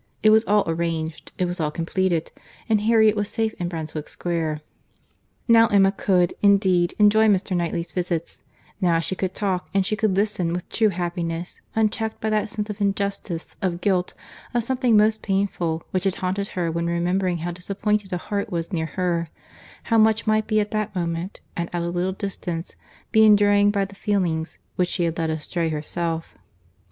—It was all arranged, it was all completed, and Harriet was safe in Brunswick Square. Now Emma could, indeed, enjoy Mr. Knightley's visits; now she could talk, and she could listen with true happiness, unchecked by that sense of injustice, of guilt, of something most painful, which had haunted her when remembering how disappointed a heart was near her, how much might at that moment, and at a little distance, be enduring by the feelings which she had led astray herself.